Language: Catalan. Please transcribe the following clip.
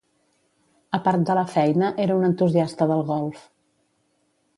A part de la feina, era un entusiasta del golf.